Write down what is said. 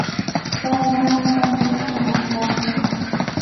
Kay naanipami raqraman trashun.